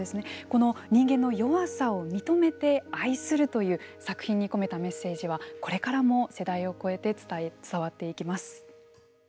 この人間の弱さを認めて愛するという作品に込めたメッセージはこれからも世代を越えて伝わっていきます。